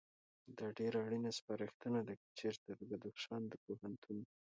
دا ډېره اړینه سپارښتنه ده، که چېرته د بدخشان د پوهنتون